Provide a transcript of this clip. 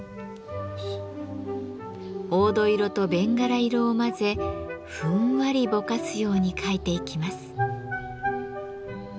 黄土色と弁柄色を混ぜふんわりぼかすように描いていきます。